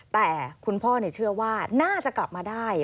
แต่คุณพ่อเชื่อว่าน่าจะกลับมาได้